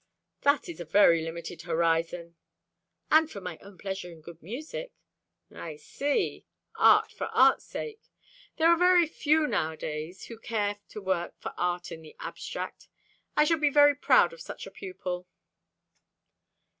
"That is a very limited horizon." "And for my own pleasure in good music." "I see. Art for art's sake. There are very few nowadays who care to work for art in the abstract. I shall be very proud of such a pupil."